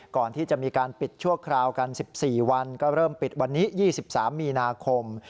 ก่อนที่จะมีการปิดชั่วคราวกัน๑๔วันก็เริ่มปิดวันนี้๒๓มีนาคม